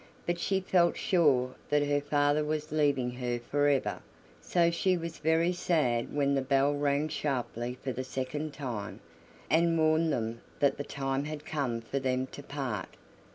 But she felt sure that her father was leaving her for ever, so she was very sad when the bell rang sharply for the second time, and warned them that the time had come for them to part.